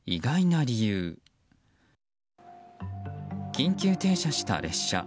緊急停車した列車。